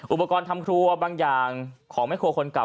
อุปกรณ์ทำครัวบางอย่างของแม่ครัวคนเก่า